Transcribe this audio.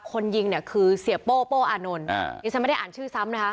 คนยิงเนี่ยคือเสียโป้โป้อานนท์ดิฉันไม่ได้อ่านชื่อซ้ำนะคะ